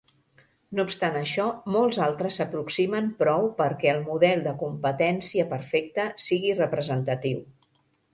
No obstant això molts altres s'aproximen prou perquè el model de competència perfecta sigui representatiu.